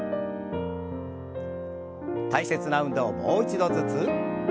大切な運動をもう一度ずつ。